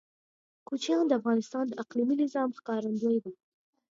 کوچیان د افغانستان د اقلیمي نظام ښکارندوی ده.